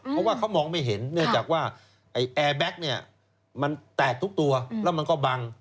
เพราะว่าเขามองไม่เห็นเนื่องจากว่าไอ้แอร์แบ็คเนี่ยมันแตกทุกตัวแล้วมันก็บัง